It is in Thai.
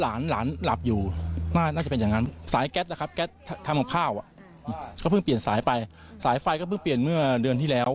อาจแค่ล้าก็เปลี่ยนเมื่อเดือนที่แล้ว